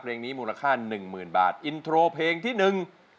เพลงนี้มูลค่า๑๐๐๐๐บาทอินโทรเพลงที่หนึ่ง